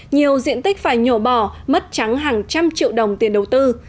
nhiều diện tích phải nhổ bỏ mất trắng hàng trăm triệu đồng tiền đầu tư